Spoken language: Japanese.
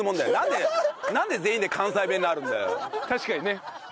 確かにね。